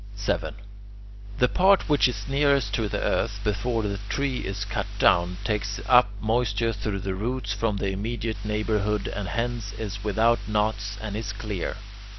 7. The part which is nearest to the earth before the tree is cut down takes up moisture through the roots from the immediate neighbourhood and hence is without knots and is "clear."